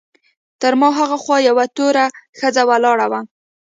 تر ما هاخوا یوه تورۍ ښځه ولاړه وه.